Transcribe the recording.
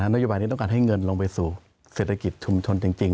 นโยบายนี้ต้องการให้เงินลงไปสู่เศรษฐกิจชุมชนจริง